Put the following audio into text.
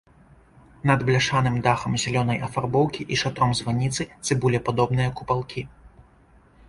Над бляшаным дахам зялёнай афарбоўкі і шатром званіцы цыбулепадобныя купалкі.